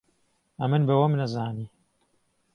ئەمن بە وەم نەزانی